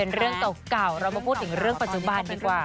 เรื่องเก่าเรามาพูดถึงเรื่องปัจจุบันดีกว่า